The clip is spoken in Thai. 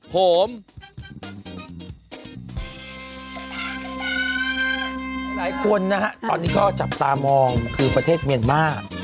หลายคนนะฮะตอนนี้ก็จับตามองคือประเทศเมียนมาร์